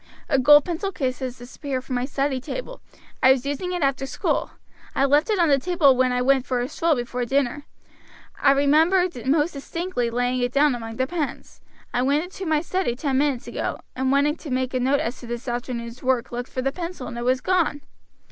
A gold pencil case has disappeared from my study table. I was using it after school. I left it on the table when I went for a stroll before dinner. I remember most distinctly laying it down among the pens. I went into my study ten minutes ago; and wanting to make a note as to this afternoon's work looked for the pencil and it was gone.